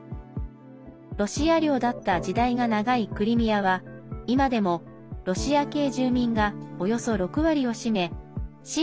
ロシア領だった時代が長いクリミアは今でもロシア系住民がおよそ６割を占め親